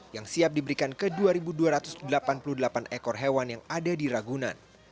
yang siap diberikan ke dua dua ratus delapan puluh delapan ekor hewan yang ada di ragunan